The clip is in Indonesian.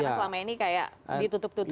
karena selama ini kayak ditutup tutupi gitu